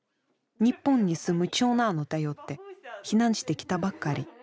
日本に住む長男を頼って避難してきたばかり。